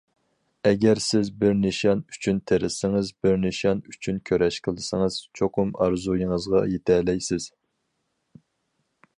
ئەگەر سىز بىر نىشان ئۈچۈن تىرىشسىڭىز، بىر نىشان ئۈچۈن كۈرەش قىلسىڭىز، چوقۇم ئارزۇيىڭىزغا يېتەلەيسىز.